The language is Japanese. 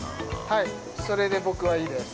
◆はい、それで僕はいいです。